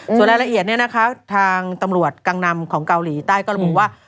ส่วนแรกละเอียดนี้นะคะทางตำรวจกังแนมของเกาหลีใต้ก็บอกว่า